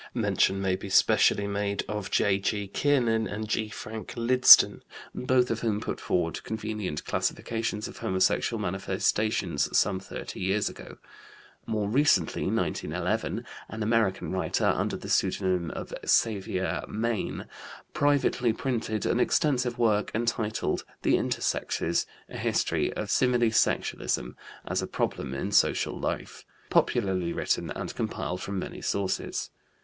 Mention may be specially made of J.G. Kiernan and G. Frank Lydston, both of whom put forward convenient classifications of homosexual manifestations some thirty years ago. More recently (1911) an American writer, under the pseudonym of Xavier Mayne, privately printed an extensive work entitled The Intersexes: A History of Similisexualism as a Problem in Social Life, popularly written and compiled from many sources.